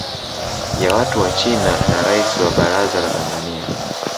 ya watu wa China na Rais wa baraza la Tanzania